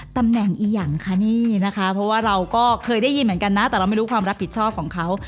ตำแหน่งอีกอย่างค่ะนี่นะคะเพราะว่าเราก็เคยได้ยินเหมือนกันนะแต่เราไม่รู้ความรับผิดชอบของเขา